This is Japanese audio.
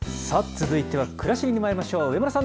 さあ、続いてはくらしりにまいりましょう。